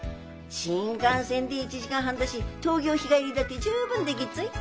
新幹線で１時間半だし東京日帰りだって十分できっぞい。